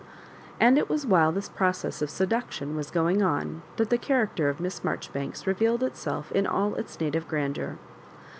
And it vras while this process of seduction was going on that the character of Miss Marjoribanks revealed itself in all its native grandeur.